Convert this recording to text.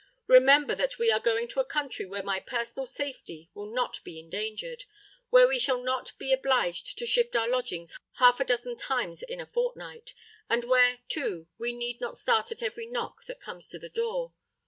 "Remember that we are going to a country where my personal safety will not be endangered,—where we shall not be obliged to shift our lodgings half a dozen times in a fortnight,—and where, too, we need not start at every knock that comes to the door.